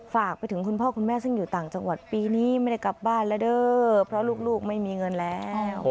ฝากไปถึงคุณพ่อคุณแม่ซึ่งอยู่ต่างจังหวัดปีนี้ไม่ได้กลับบ้านแล้วเด้อเพราะลูกไม่มีเงินแล้ว